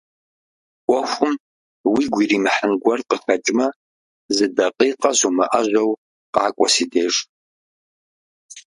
Ӏуэхум уигу иримыхьын гуэр къыхэкӏмэ, зы дакъикъэ зумыӀэжьэу къакӀуэ си деж.